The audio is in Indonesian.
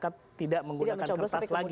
tidak menggunakan kertas lagi